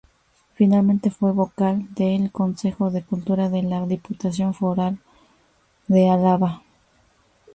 Finalmente fue vocal del Consejo de Cultura de la Diputación Foral de Álava.